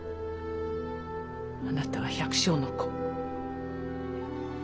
あなたは百姓の子。